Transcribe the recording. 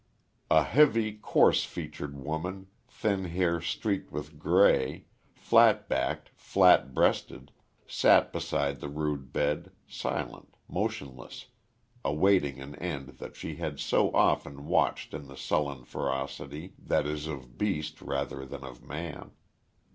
A heavy, course featured woman, thin hair streaked with gray, flat backed, flat breasted, sat beside the rude bed, silent, motionless, awaiting an end that she had so often watched in the sullen ferocity that is of beast rather than of man.